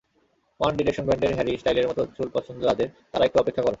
One Direction ব্যান্ডের Harry স্টাইলের মতো চুল পছন্দ যাদের, তারা একটু অপেক্ষা করো।